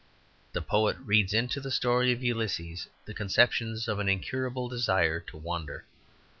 The poet reads into the story of Ulysses the conception of an incurable desire to wander.